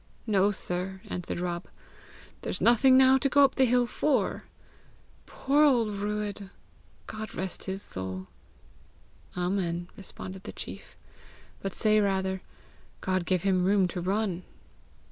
"No, sir," answered Rob; "there's nothing now to go up the hill for! Poor old Buadh! God rest his soul!" "Amen!" responded the chief; "but say rather, 'God give him room to run!'"